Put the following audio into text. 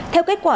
theo kết quả